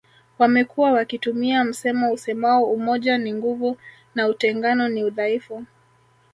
Wamekuwa wakitumia msemo usemao umoja ni nguvu na utengano ni udhaifu